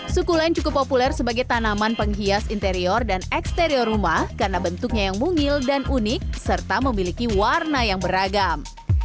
suku len cukup populer sebagai tanaman penghias interior dan eksterior rumah karena bentuknya yang mungil dan unik serta memiliki warna yang beragam